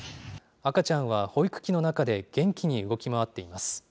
赤ちゃんは保育器の中で元気に動き回っています。